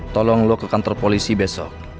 tolong lo ke kantor polisi besok